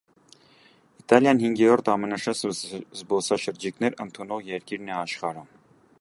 Իտալիան հինգերորդ ամենաշատ զբոսաշրջիկներ ընդունող երկիրն է աշխարհում։